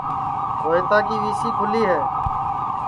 روہیتا کی ویسی کُھلی ہے